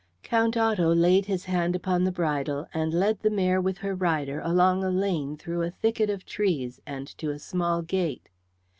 Count Otto laid his hand upon the bridle and led the mare with her rider along a lane through a thicket of trees and to a small gate.